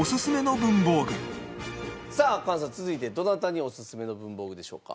さあ菅さん続いてどなたにオススメの文房具でしょうか？